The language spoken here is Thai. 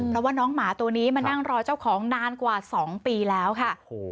เพราะว่าน้องหมาตัวนี้มานั่งรอเจ้าของนานกว่า๒ปีแล้วค่ะ